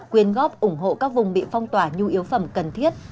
quyền góp ủng hộ các vùng bị phong tỏa như yếu phẩm cần thiết